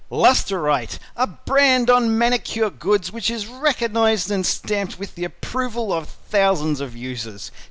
] "LUSTR ITE" A brand on Manicure Goods which is recognized and stamped with the approval of its thousands of users.